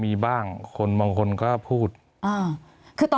มีความรู้สึกว่ามีความรู้สึกว่า